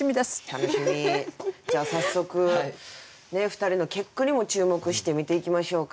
じゃあ早速２人の結句にも注目して見ていきましょうか。